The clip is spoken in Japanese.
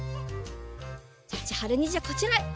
じゃちはるにんじゃこちらへ。